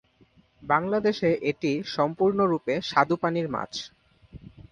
বাংলাদেশে এটি সম্পূর্ণরূপে স্বাদু পানির মাছ।